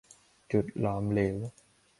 จุดหลอมเหลว